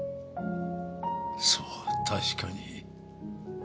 そう確かに。